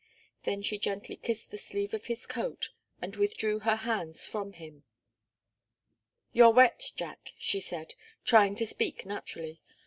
Then she gently kissed the sleeve of his coat, and withdrew her hands from him. "You're wet, Jack," she said, trying to speak naturally.